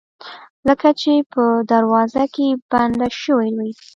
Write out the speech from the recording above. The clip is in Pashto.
لکه چې په دروازه کې بنده شوې وي